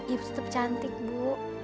ibu tetap cantik bu